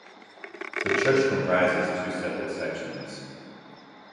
The Church comprises two separate sections.